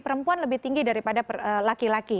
perempuan lebih tinggi daripada laki laki